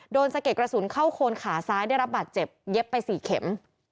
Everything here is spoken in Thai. สะเก็ดกระสุนเข้าโคนขาซ้ายได้รับบาดเจ็บเย็บไป๔เข็ม